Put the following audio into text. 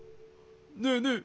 ねえねえ。